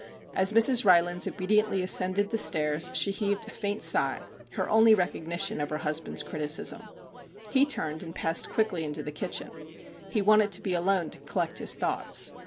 As Mrs. Rylands obediently ascended the stairs she heaved a faint sigh her only recog nition of her husband's criticism. He turned and passed quickly into the kitchen. He wanted to be alone to collect his thoughts.